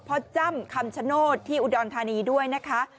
จ้ำคำชโนธที่อุดรธานีด้วยนะคะ